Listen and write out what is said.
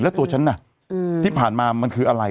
แล้วตัวฉันน่ะที่ผ่านมามันคืออะไร